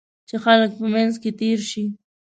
چې خلک په منځ کې تېر شي.